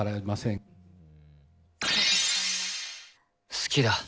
好きだ。